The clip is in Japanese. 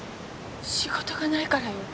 仕事がないからよ。